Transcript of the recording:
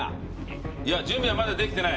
いや準備はまだできてない。